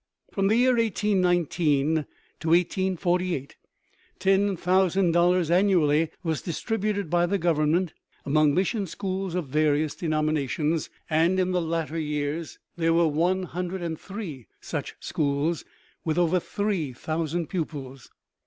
From the year 1819 to 1848 ten thousand dollars annually was distributed by the Government among mission schools of various denominations, and in the latter year there were one hundred and three such schools, with over three thousand pupils.